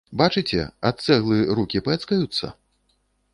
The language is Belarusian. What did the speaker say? Бачыце, ад цэглы рукі пэцкаюцца?